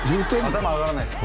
頭上がらないです